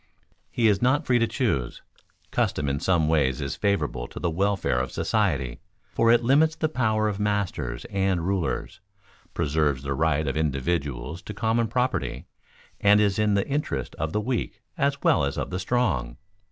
He is not free to choose. Custom in some ways is favorable to the welfare of society, for it limits the power of masters and rulers, preserves the rights of individuals to common property, and is in the interest of the weak as well as of the strong.